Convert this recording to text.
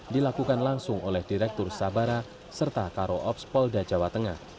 dilakukan langsung oleh direktur sabara serta karo ops polda jawa tengah